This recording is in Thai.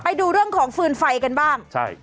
ไปดูเรื่องของฟืนไฟกันบ้างใช่